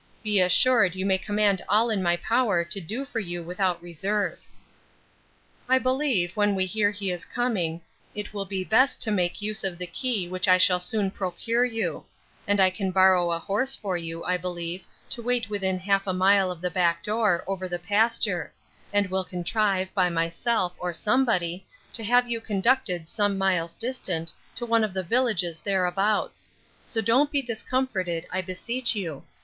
Be assured you may command all in my power to do for you without reserve. 'I believe, when we hear he is coming, it will be best to make use of the key, which I shall soon procure you; and I can borrow a horse for you, I believe, to wait within half a mile of the back door, over the pasture; and will contrive, by myself, or somebody, to have you conducted some miles distant, to one of the villages thereabouts; so don't be discomforted, I beseech you.